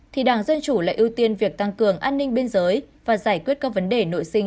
thì đảng dân chủ lại ưu tiên việc tăng cường an ninh biên giới và giải quyết các vấn đề nội sinh